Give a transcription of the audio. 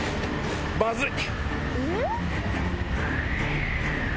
まずい！